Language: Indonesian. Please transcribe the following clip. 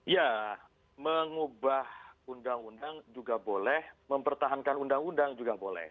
ya mengubah undang undang juga boleh mempertahankan undang undang juga boleh